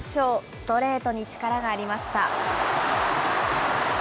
ストレートに力がありました。